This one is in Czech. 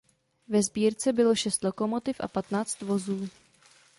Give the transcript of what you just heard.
Ve sbírce bylo šest lokomotiv a patnáct vozů.